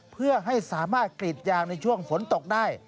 เพื่อให้สามารถกรีดยางในช่วงฝนตกได้